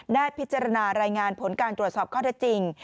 ได้พิจารณารายงานผลการตรวจสอบข้อเท็จจริง